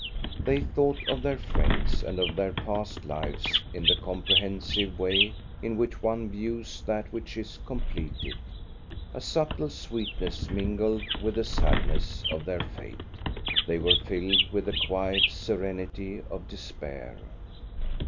They thought of their friends and of their past lives in the comprehensive way in which one views that which is completed. A subtle sweetness mingled with the sadness of their fate. They were filled with the quiet serenity of despair.